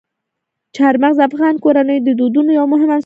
چار مغز د افغان کورنیو د دودونو یو مهم عنصر دی.